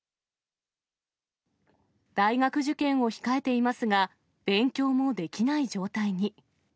大学受験を控えていますが、勉強もできない状態に。